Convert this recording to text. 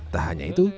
tak hanya itu